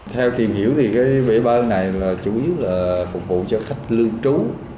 theo tìm hiểu thì bể bơi này chủ yếu là phục vụ cho khách lương trú